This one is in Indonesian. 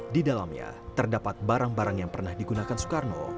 di dalamnya terdapat barang barang yang pernah digunakan soekarno